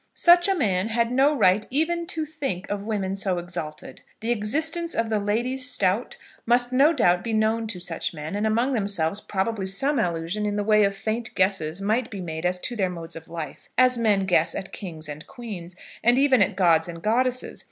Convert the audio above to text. Such a man had no right even to think of women so exalted. The existence of the Ladies Stowte must no doubt be known to such men, and among themselves probably some allusion in the way of faint guesses might be made as to their modes of life, as men guess at kings and queens, and even at gods and goddesses.